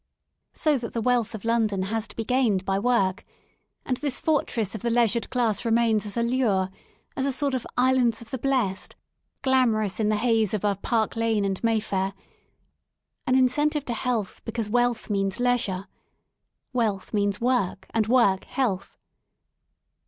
So that the wealth of London has to be gained by work, and this fortress of the leisured class remains as a lure, as a sort of Islands of the Blest, glamorous in the haze above Park Lane and May fair, an incentive to health because wealth means leisure; wealth means work, and work health.